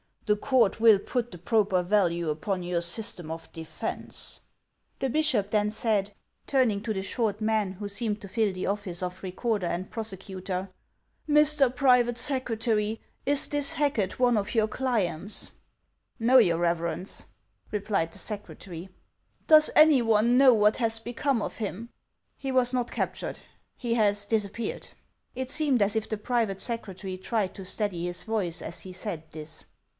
The court will put the proper value upon your sys:em of defence." The bishop then said, turning to the short man, who seemed :o lill the othce of recorder and prosecutor :•*• Mr. Pnvaie Secretary, is this Hacket one of your clients I *" Xo. your reverence,"* replied the secretary. ~ iK es any one know what has become of him ?" He was not captured ; he has disappeared."'' I: seemed as if the private secretary tried to steady his voice as he said this.